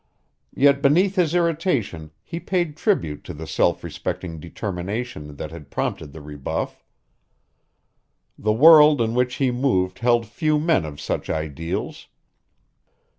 Yet beneath his irritation he paid tribute to the self respecting determination that had prompted the rebuff. The world in which he moved held few men of such ideals.